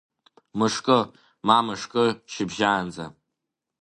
Мышкы, ма мышкы шьыбжьаанӡа…